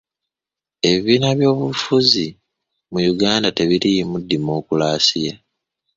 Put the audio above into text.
Ebibiina byobufuzi mu Uganda tebiriimu dimokulasiya.